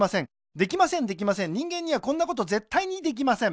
できませんできません人間にはこんなことぜったいにできません